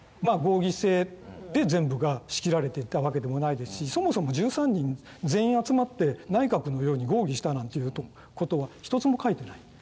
合議制で全部が仕切られていったわけでもないですしそもそも１３人全員集まって内閣のように合議したなんていうことは１つも書いてない。